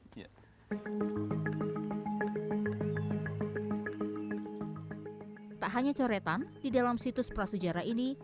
tak hanya coretan di dalam situs prasejarah ini